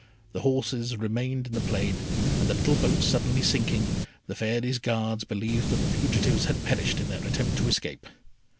The horses remained in the plain, and the little boat suddenly sinking, the Fairy's Guards believed that the fugitives had perished in their attempt to escape.